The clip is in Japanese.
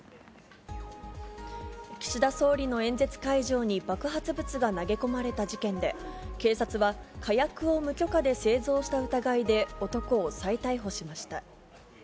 岸田総理の演説会場に爆発物が投げ込まれた事件で、警察は、火薬を無許可で製造した疑いで、男を再逮捕しました。